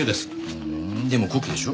ふーんでも古希でしょ？